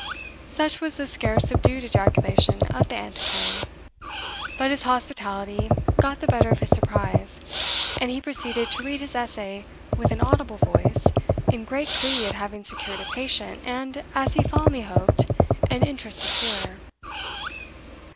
Such was the scarce subdued ejaculation of the Antiquary. But his hospitality got the better of his surprise, and he proceeded to read his essay with an audible voice, in great glee at having secured a patient, and, as he fondly hoped, an interested hearer.